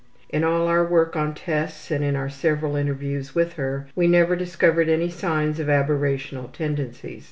In all our work on tests and in our several interviews with her we never discovered any signs of aberrational tendencies.